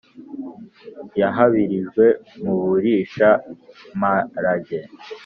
yahabwirije mu burisha-mparage.